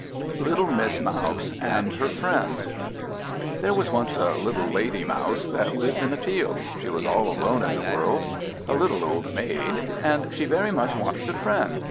Little Miss Mouse and her Friends THERE was once a little Lady Mouse that lived in a field. She was all alone in the world, a little old maid, and she very much wanted a friend.